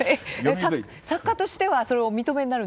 作家としてはそれをお認めになるんですか？